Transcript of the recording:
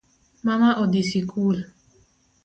Mama odhii sikul